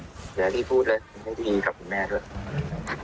เหลือที่พูดเลยไม่ได้ดีกับคุณแม่ด้วย